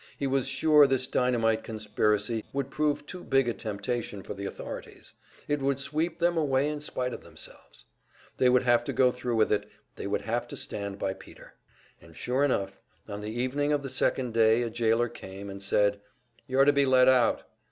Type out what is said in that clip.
He was sure this dynamite conspiracy would prove too big a temptation for the authorities; it would sweep them away in spite of themselves. They would have to go thru with it, they would have to stand by Peter. And sure enough, on the evening of the second day a jailer came and said: "You're to be let out."